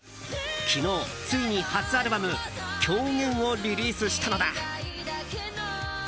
昨日、ついに初アルバム「狂言」をリリースしたのだ。